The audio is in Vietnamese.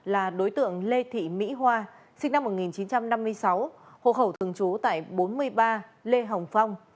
là đối tượng lê thị mỹ hoa sinh năm một nghìn chín trăm năm mươi sáu hộ khẩu thường trú tại bốn mươi ba lê hồng phong